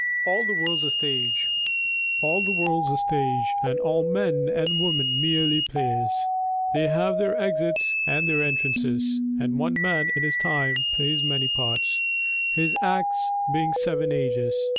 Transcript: ALL THE WORLD'S A STAGE ALL the world's a stage, And all the men and women merely players : They have their exits and their entrances ; And one man in his time plays many parts, His acts being seven ages.